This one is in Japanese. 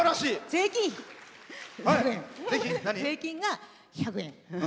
税金が１００円。